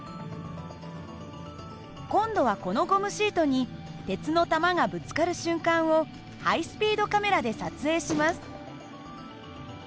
今度はこのゴムシートに鉄の球がぶつかる瞬間をハイスピードカメラで撮影します。